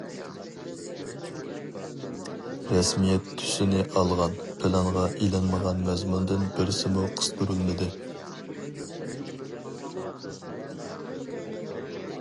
رەسمىيەت تۈسىنى ئالغان، پىلانغا ئېلىنمىغان مەزمۇندىن بىرسىمۇ قىستۇرۇلمىدى.